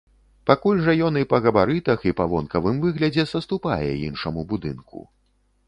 Пакуль жа ён і па габарытах, і па вонкавым выглядзе саступае іншаму будынку.